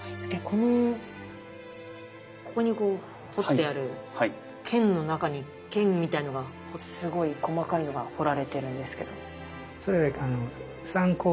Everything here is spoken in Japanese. このここに彫ってある剣の中に剣みたいなのがすごい細かいのが彫られてるんですけど。